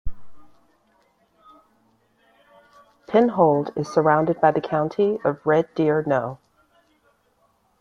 Penhold is surrounded by the county of Red Deer No.